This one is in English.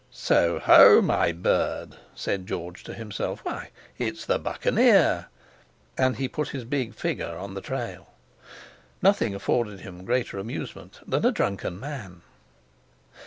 "So ho, my bird!" said George to himself; "why, it's "the Buccaneer!"" and he put his big figure on the trail. Nothing afforded him greater amusement than a drunken man.